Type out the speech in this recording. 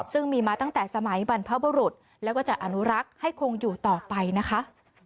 ซึ่งมีมาตั้งแต่สมัยบรรพบุรุษแล้วก็จะอนุรักษ์ให้คงอยู่ต่อไปนะคะ